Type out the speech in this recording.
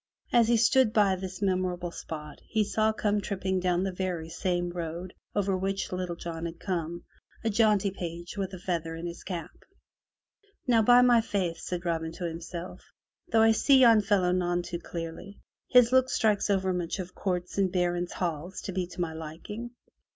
As he stood by this memorable spot, he saw come tripping down the very same road over which Little John had come, a jaunty page with a feather in his cap. "Now, by my faith,'' said Robin to himself, "though I see yon fellow none too clearly, his look speaks overmuch of courts and baron's halls to be to my liking.